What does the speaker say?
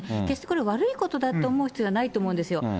決してこれは悪いことだと思う必要はないと思うんですよ。